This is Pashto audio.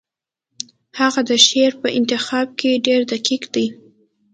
هغه د ښه شعر په انتخاب کې ډېر دقیق دی